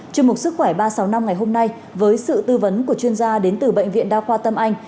chương mục sức khỏe ba trăm sáu mươi năm ngày hôm nay với sự tư vấn của chuyên gia đến từ bệnh viện đa khoa tâm anh